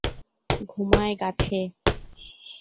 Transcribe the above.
ঘুমায় গাছে।